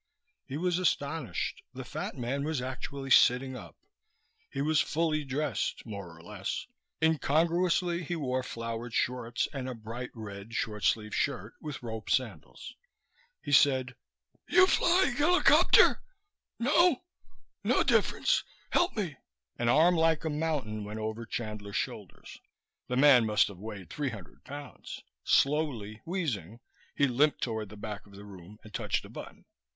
He was astonished. The fat man was actually sitting up. He was fully dressed more or less; incongruously he wore flowered shorts and a bright red, short sleeve shirt, with rope sandals. He said, "You fly a gilikopter? No? No difference. Help me." An arm like a mountain went over Chandler's shoulders. The man must have weighed three hundred pounds. Slowly, wheezing, he limped toward the back of the room and touched a button.